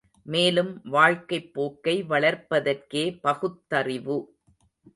மேலும் வாழ்க்கைப் போக்கை வளர்ப்பதற்கே பகுத்தறிவு.